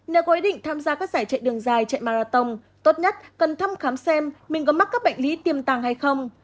nếu có ý định tham gia các giải chạy đường dài chạy marathon tốt nhất cần thăm khám xem mình có mắc các bệnh lý tiềm tàng hay không